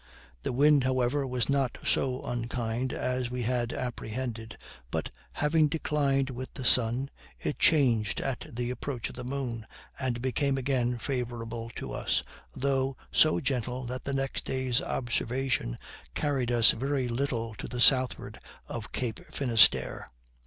The wind however was not so unkind as we had apprehended; but, having declined with the sun, it changed at the approach of the moon, and became again favorable to us, though so gentle that the next day's observation carried us very little to the southward of Cape Finisterre.